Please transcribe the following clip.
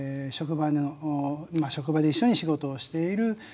まあ職場で一緒に仕事をしている